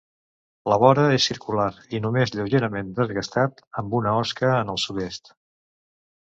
La vora és circular i només lleugerament desgastat, amb una osca en el sud-est.